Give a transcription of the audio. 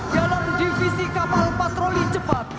dalam divisi kapal patroli cepat